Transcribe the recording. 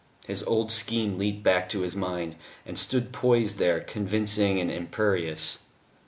His old scheme leaped back to his mind, and stood poised there convincing and imperious.